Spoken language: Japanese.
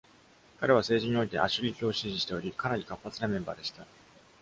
彼は政治においてアシュリー卿を支持しており、かなり活発なメンバーでした。